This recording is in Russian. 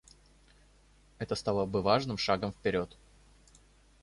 Это стало бы важным шагом вперед.